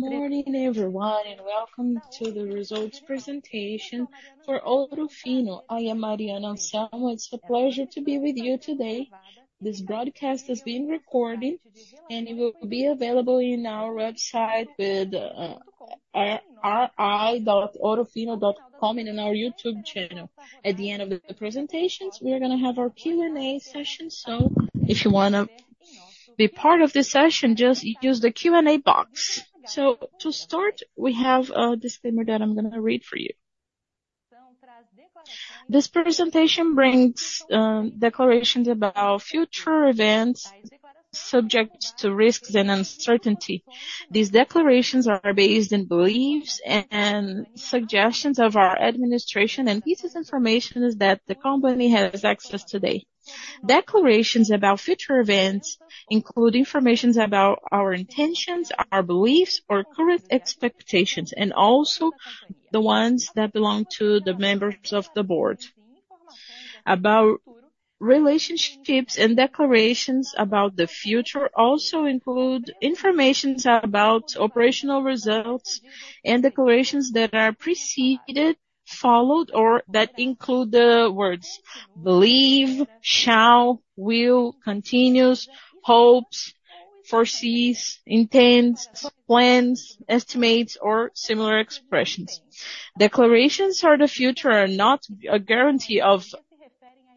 Good morning, everyone, welcome to the results presentation for Ouro Fino. I am Mariana Alcântara. It's a pleasure to be with you today. This broadcast is being recorded, and it will be available on our website at ri.ourofino.com and on our YouTube channel. At the end of the presentations, we are going to have our Q&A session. If you want to be part of this session, just use the Q&A box. To start, we have a disclaimer that I'm going to read for you. This presentation brings declarations about future events subject to risks and uncertainty. These declarations are based on beliefs and suggestions of our administration and pieces information that the company has access today. Declarations about future events include information about our intentions, our beliefs, our current expectations, and also the ones that belong to the members of the board. About relationships and declarations about the future also include information about operational results and declarations that are preceded, followed, or that include the words believe, shall, will, continues, hopes, foresees, intends, plans, estimates, or similar expressions. Declarations for the future are not a guarantee of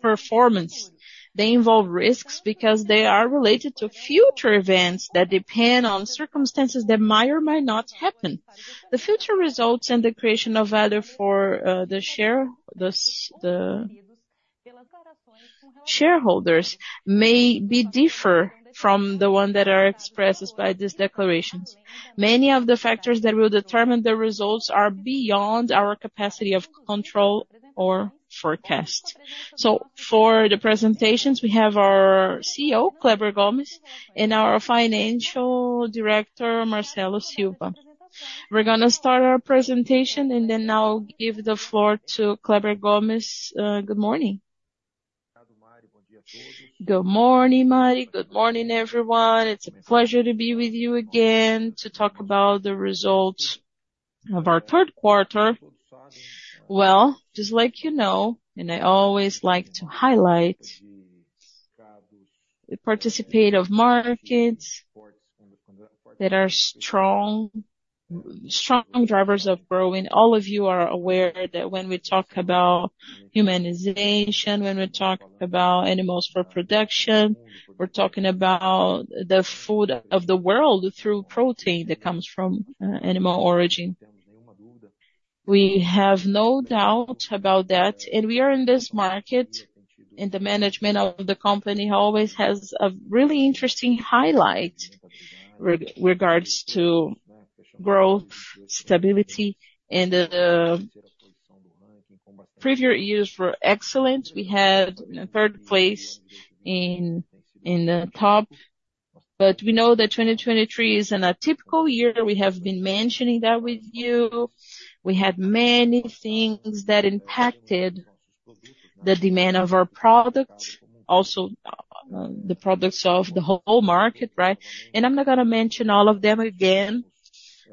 performance. They involve risks because they are related to future events that depend on circumstances that might or might not happen. The future results and the creation of value for the shareholders may differ from the ones that are expressed by these declarations. Many of the factors that will determine the results are beyond our capacity of control or forecast. For the presentations, we have our CEO, Kleber Gomes, and our Financial Director, Marcelo Silva. We're going to start our presentation, then I'll give the floor to Kleber Gomes. Good morning. Good morning, Mari. Good morning, everyone. It's a pleasure to be with you again to talk about the results of our third quarter. Well, just like you know, I always like to highlight, we participate in markets that are strong drivers of growth. All of you are aware that when we talk about humanization, when we talk about animals for production, we're talking about the food of the world through protein that comes from animal origin. We have no doubt about that. We are in this market, and the management of the company always has a really interesting highlight with regards to growth, stability, and the previous years were excellent. We had third place in the top. We know that 2023 is not a typical year. We have been mentioning that with you. We had many things that impacted the demand of our products, also the products of the whole market right. I'm not going to mention all of them again,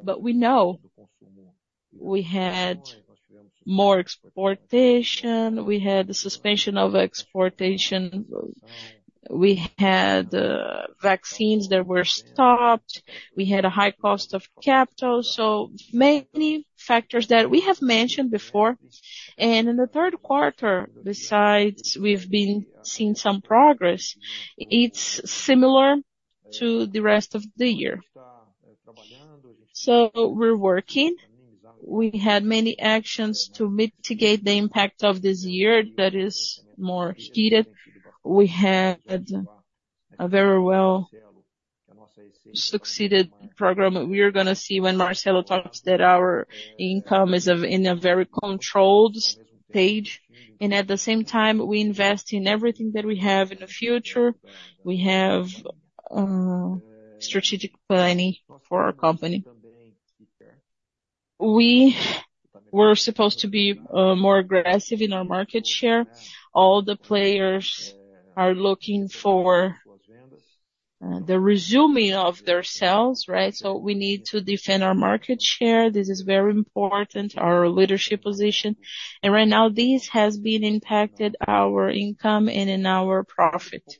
but we know we had more exportation, we had the suspension of exportation, we had vaccines that were stopped, we had a high cost of capital. Many factors that we have mentioned before. In the third quarter, besides, we've been seeing some progress. It's similar to the rest of the year. We're working. We had many actions to mitigate the impact of this year that is more heated. We had a very well-succeeded program. We are going to see when Marcelo talks that our income is in a very controlled stage. At the same time, we invest in everything that we have in the future. We have strategic planning for our company. We were supposed to be more aggressive in our market share. All the players are looking for the resuming of their sales, right? We need to defend our market share. This is very important, our leadership position. Right now, this has impacted our income and our profit.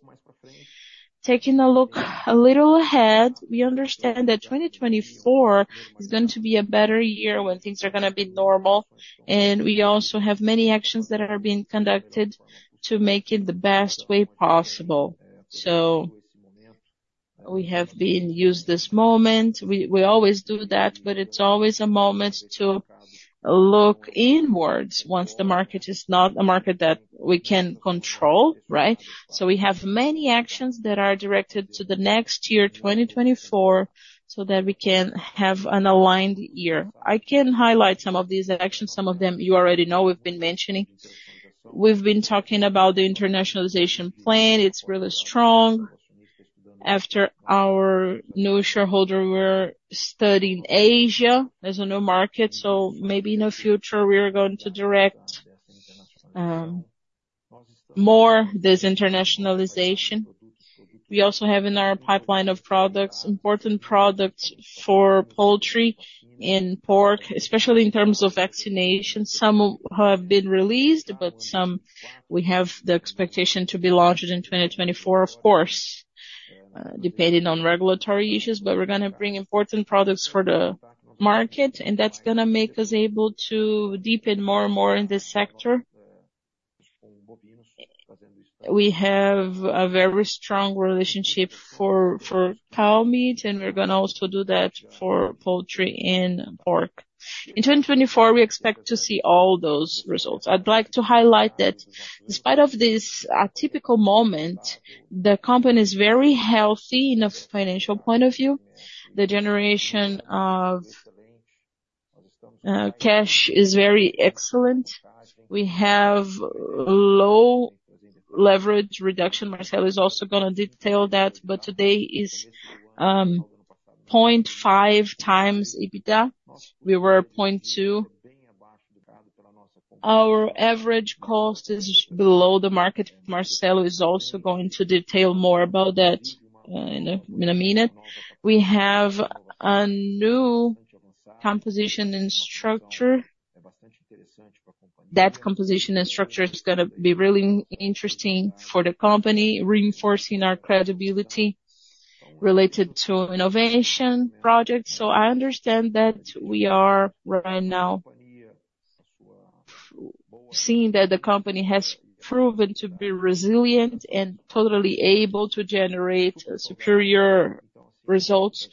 Taking a look a little ahead, we understand that 2024 is going to be a better year when things are going to be normal. We also have many actions that are being conducted to make it the best way possible. We have been using this moment. We always do that, but it's always a moment to look inwards once the market is not a market that we can control, right? We have many actions that are directed to the next year, 2024, so that we can have an aligned year. I can highlight some of these actions. Some of them you already know we've been mentioning. We've been talking about the internationalization plan. It's really strong. After our new shareholder, we're studying Asia as a new market. Maybe in the future, we are going to direct More this internationalization. We also have in our pipeline of products, important products for poultry and pork, especially in terms of vaccination. Some have been released, but some we have the expectation to be launched in 2024, of course, depending on regulatory issues. We're going to bring important products for the market, and that's going to make us able to deepen more and more in this sector. We have a very strong relationship for cow meat, and we're going to also do that for poultry and pork. In 2024, we expect to see all those results. I'd like to highlight that in spite of this typical moment, the company is very healthy in a financial point of view. The generation of cash is very excellent. We have low leverage reduction. Marcelo is also going to detail that, but today is 0.5 times EBITDA. We were 0.2. Our average cost is below the market. Marcelo is also going to detail more about that in a minute. We have a new composition and structure. That composition and structure is going to be really interesting for the company, reinforcing our credibility related to innovation projects. I understand that we are right now seeing that the company has proven to be resilient and totally able to generate superior results.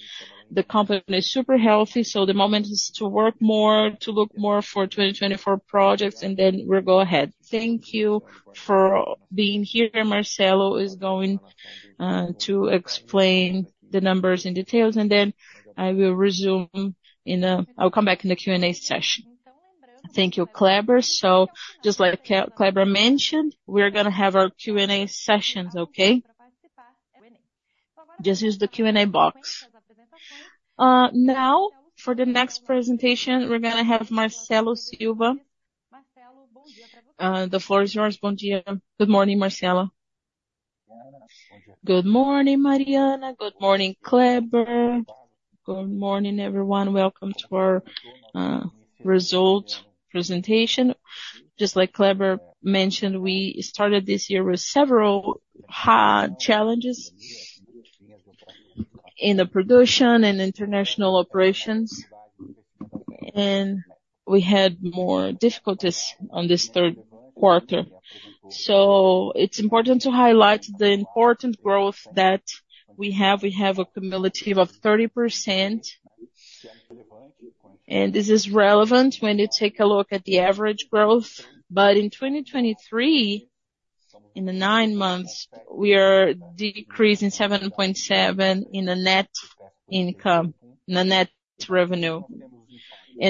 The company is super healthy, the moment is to work more, to look more for 2024 projects, then we'll go ahead. Thank you for being here. Marcelo is going to explain the numbers in details, then I'll come back in the Q&A session. Thank you, Cleber. Just like Cleber mentioned, we're going to have our Q&A sessions, okay? Just use the Q&A box. Now, for the next presentation, we're going to have Marcelo Silva. The floor is yours. Good morning, Marcelo. Good morning, Mariana. Good morning, Cleber. Good morning, everyone. Welcome to our result presentation. Just like Cleber mentioned, we started this year with several hard challenges in the production and international operations, we had more difficulties on this third quarter. It's important to highlight the important growth that we have. We have a cumulative of 30%, this is relevant when you take a look at the average growth. In 2023, in the nine months, we are decreasing 7.7 in the net revenue.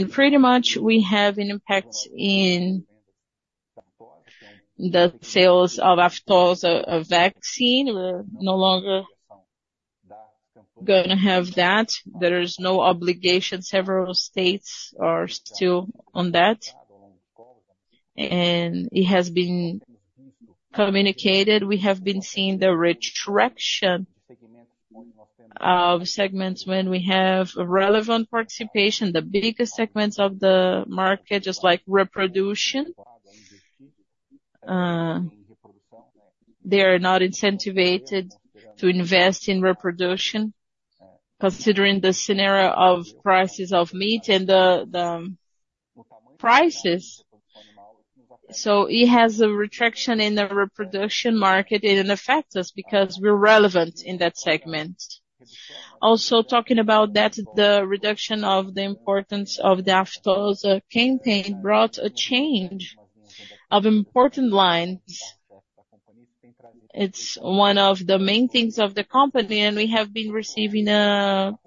Pretty much we have an impact in the sales of aftosa vaccine. We're no longer going to have that. There is no obligation. Several states are still on that. It has been communicated. We have been seeing the retraction of segments when we have relevant participation, the biggest segments of the market, just like reproduction. They are not incentivized to invest in reproduction considering the scenario of prices of meat and the prices. It has a retraction in the reproduction market. It affects us because we're relevant in that segment. Also talking about that, the reduction of the importance of the aftosa campaign brought a change of important lines. It's one of the main things of the company, we have been receiving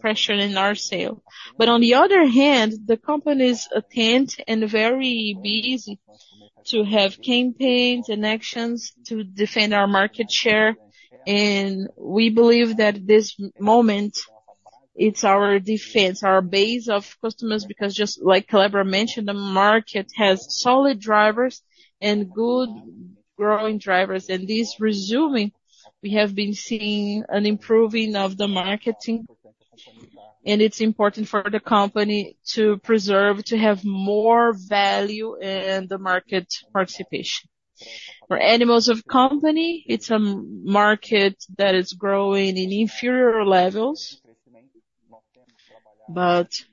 pressure in our sale. On the other hand, the company is intent and very busy to have campaigns and actions to defend our market share. We believe that this moment, it's our defense, our base of customers, because just like Kleber mentioned, the market has solid drivers and good growing drivers. This resuming, we have been seeing an improving of the marketing, it's important for the company to preserve, to have more value in the market participation. For animals of company, it's a market that is growing in inferior levels.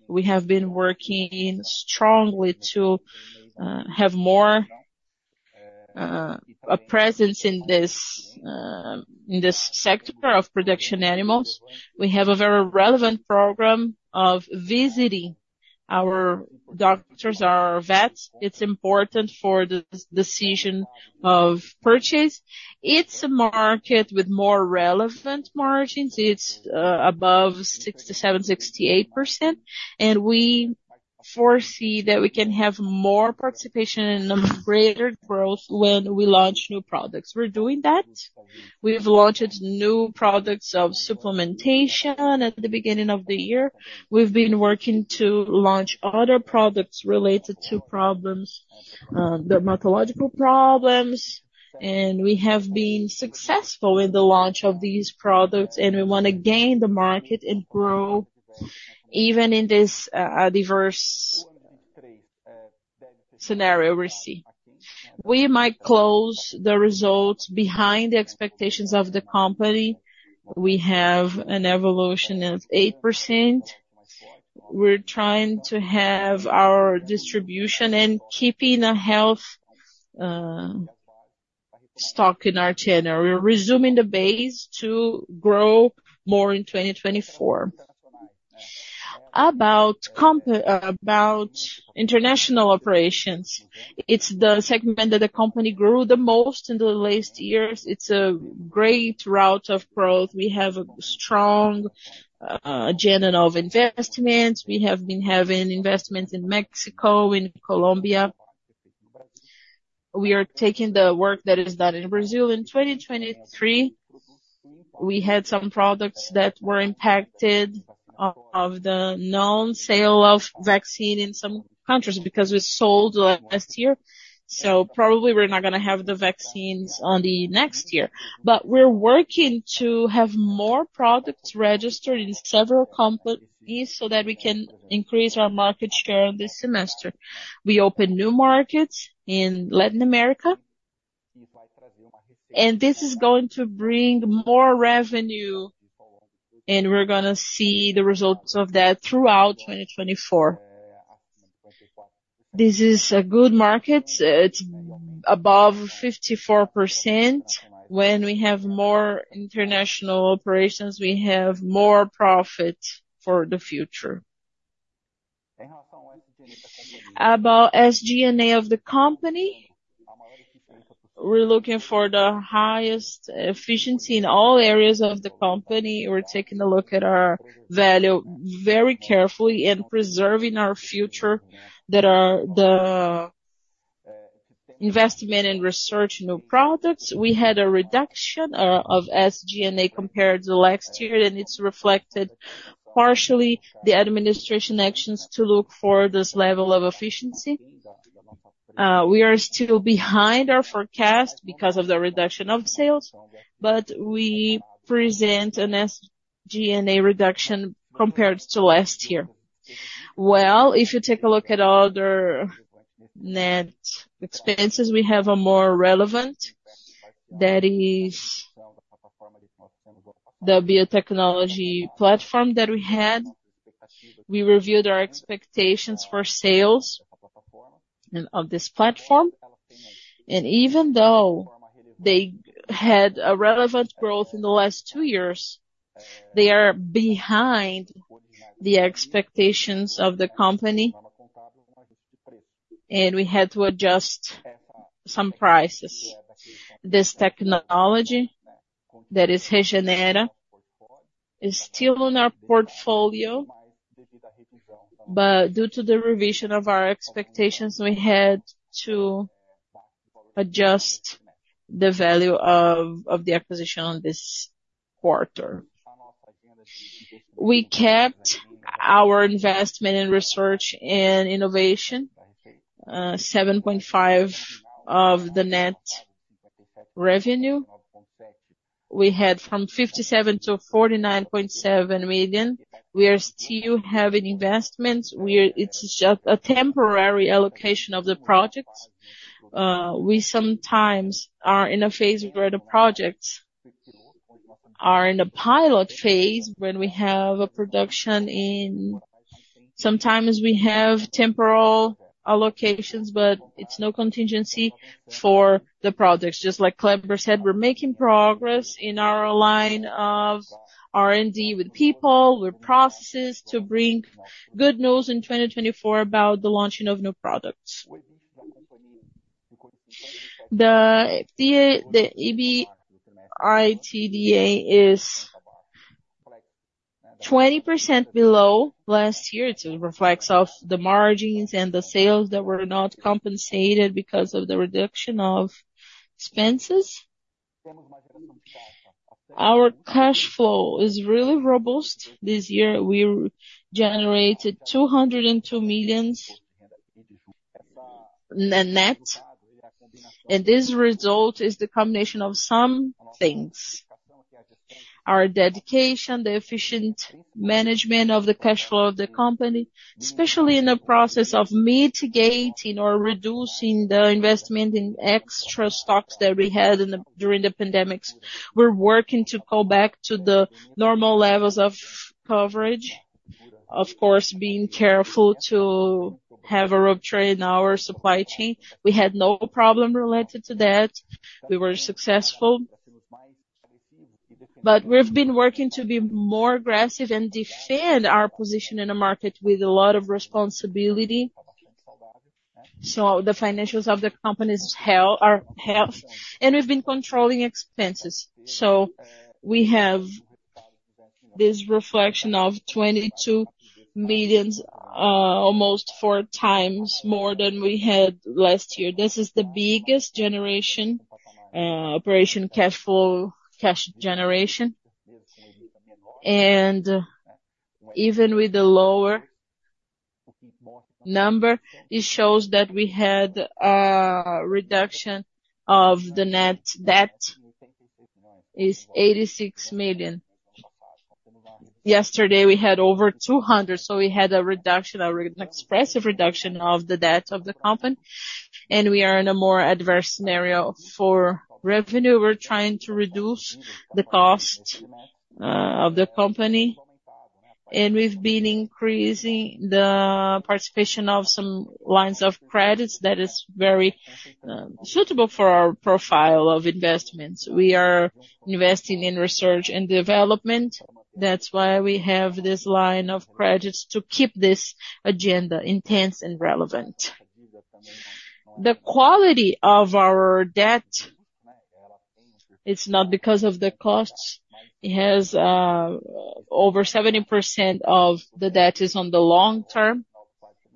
We have been working strongly to have more presence in this sector of production animals. We have a very relevant program of visiting our doctors, our vets. It's important for the decision of purchase. It's a market with more relevant margins. It's above 67%, 68%. We foresee that we can have more participation and greater growth when we launch new products. We're doing that. We've launched new products of supplementation at the beginning of the year. We've been working to launch other products related to dermatological problems, we have been successful in the launch of these products, we want to gain the market and grow, even in this diverse scenario we see. We might close the results behind the expectations of the company. We have an evolution of 8%. We're trying to have our distribution and keeping a health stock in our chain. We're resuming the base to grow more in 2024. About international operations. It's the segment that the company grew the most in the last years. It's a great route of growth. We have a strong agenda of investments. We have been having investments in Mexico, in Colombia. We are taking the work that is done in Brazil. In 2023, we had some products that were impacted of the non-sale of vaccine in some countries, because we sold last year, probably we're not going to have the vaccines on the next year. We're working to have more products registered in several countries so that we can increase our market share this semester. We opened new markets in Latin America, this is going to bring more revenue, we're going to see the results of that throughout 2024. This is a good market. It's above 54%. When we have more international operations, we have more profit for the future. About SG&A of the company. We're looking for the highest efficiency in all areas of the company. We're taking a look at our value very carefully and preserving our future that are the investment in research, new products. We had a reduction of SG&A compared to last year, and it's reflected partially the administration actions to look for this level of efficiency. We are still behind our forecast because of the reduction of sales, but we present an SG&A reduction compared to last year. Well, if you take a look at other net expenses, we have a more relevant, that is the biotechnology platform that we had. We reviewed our expectations for sales of this platform. Even though they had a relevant growth in the last two years, they are behind the expectations of the company. We had to adjust some prices. This technology, that is Regenera, is still in our portfolio, but due to the revision of our expectations, we had to adjust the value of the acquisition on this quarter. We kept our investment in research and innovation, 7.5% of the net revenue. We had from 57 million to 49.7 million. We are still having investments. It's just a temporary allocation of the projects. We sometimes are in a phase where the projects are in a pilot phase. Sometimes we have temporal allocations, but it's no contingency for the projects. Just like Kleber said, we're making progress in our line of R&D with people, with processes to bring good news in 2024 about the launching of new products. The EBITDA is 20% below last year. It reflects off the margins and the sales that were not compensated because of the reduction of expenses. Our cash flow is really robust. This year, we generated 202 million net. This result is the combination of some things. Our dedication, the efficient management of the cash flow of the company, especially in the process of mitigating or reducing the investment in extra stocks that we had during the pandemics. We're working to go back to the normal levels of coverage. Of course, being careful to have a rupture in our supply chain. We had no problem related to that. We were successful. We've been working to be more aggressive and defend our position in the market with a lot of responsibility. The financials of the company is health, and we've been controlling expenses. We have this reflection of 22 million, almost four times more than we had last year. This is the biggest generation, operation cash flow, cash generation. Even with the lower number, it shows that we had a reduction of the net debt, is 86 million. Yesterday we had over 200 million, we had an expressive reduction of the debt of the company, and we are in a more adverse scenario for revenue. We're trying to reduce the cost of the company, and we've been increasing the participation of some lines of credits that is very suitable for our profile of investments. We are investing in research and development. That's why we have this line of credits to keep this agenda intense and relevant. The quality of our debt, it's not because of the costs. It has over 70% of the debt is on the long term,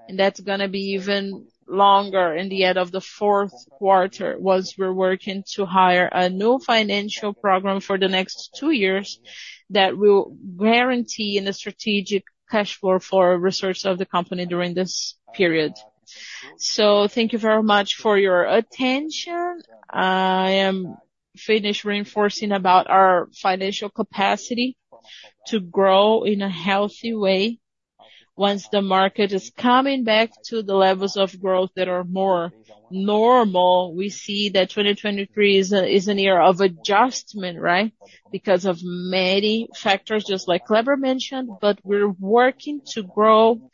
and that's going to be even longer in the end of the fourth quarter, once we're working to hire a new financial program for the next two years that will guarantee in a strategic cash flow for research of the company during this period. Thank you very much for your attention. I am finished reinforcing about our financial capacity to grow in a healthy way once the market is coming back to the levels of growth that are more normal. We see that 2023 is a year of adjustment, right, because of many factors, just like Kleber mentioned, but we're working to grow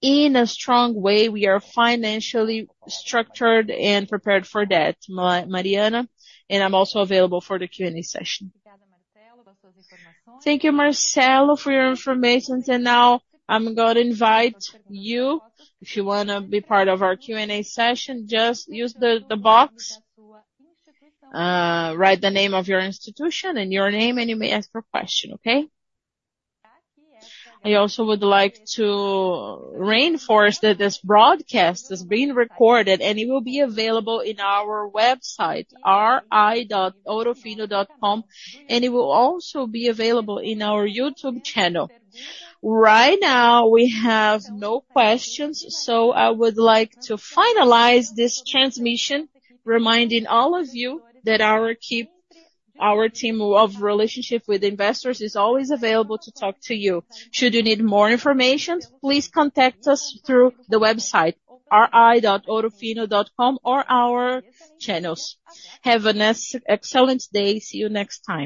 in a strong way. We are financially structured and prepared for that. Mariana. I'm also available for the Q&A session. Thank you, Marcelo, for your information. Now I'm going to invite you, if you want to be part of our Q&A session, just use the box. Write the name of your institution and your name, and you may ask your question. Okay? I also would like to reinforce that this broadcast is being recorded, and it will be available in our website, ri.ourofino.com, and it will also be available in our YouTube channel. Right now we have no questions. I would like to finalize this transmission reminding all of you that our team of relationship with investors is always available to talk to you. Should you need more information, please contact us through the website, ri.ourofino.com or our channels. Have an excellent day. See you next time.